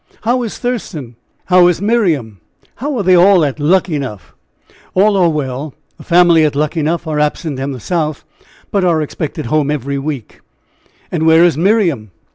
"How is Thurston? How is Miriam? How are they all at Luckenough?" "All are well; the family at Luckenough are absent in the South, but are expected home every week." "And where is Miriam?"